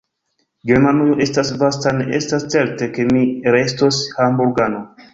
Germanujo estas vasta; ne estas certe, ke mi restos Hamburgano.